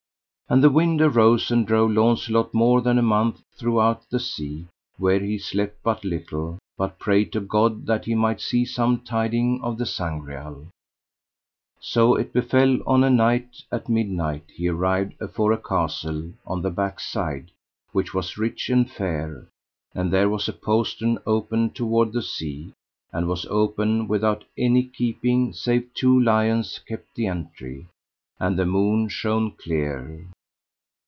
And the wind arose, and drove Launcelot more than a month throughout the sea, where he slept but little, but prayed to God that he might see some tidings of the Sangreal. So it befell on a night, at midnight, he arrived afore a castle, on the back side, which was rich and fair, and there was a postern opened toward the sea, and was open without any keeping, save two lions kept the entry; and the moon shone clear.